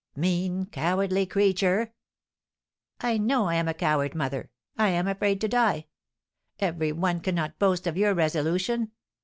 "Mean, cowardly creature!" "I know I am a coward, mother. I am afraid to die! Every one cannot boast of your resolution.